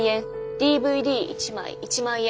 ＤＶＤ１枚１万円。